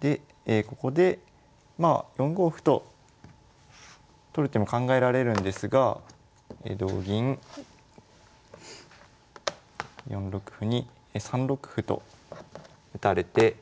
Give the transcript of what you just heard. でここでまあ４五歩と取る手も考えられるんですが同銀４六歩に３六歩と打たれて。